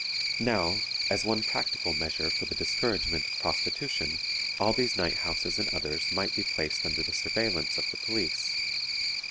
"Now, as one practical measure for the discouragement of prostitution, all these night houses and others might be placed under the surveillance of the police.